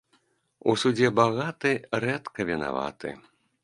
У судзе багаты рэдка вінаваты